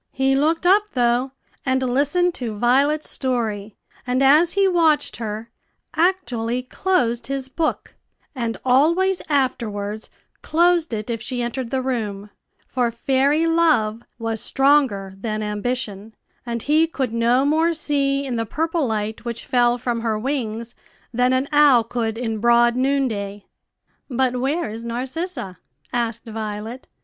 He looked up though, and listened to Violet's story, and, as he watched her, actually closed his book, and always afterwards closed it if she entered the room; for fairy Love was stronger than Ambition, and he could no more see in the purple light which fell from her wings than an owl could in broad noonday. "But where is Narcissa?" asked Violet.